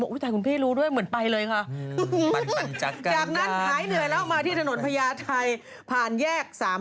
วิ่งร่องลหารสัย